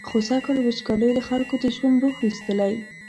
خو سږکال وچکالۍ له خلکو د ژوند روح ویستلی.